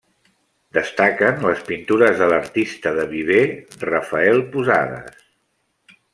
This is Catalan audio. Destaquen les pintures de l'artista de Viver, Rafael Posades.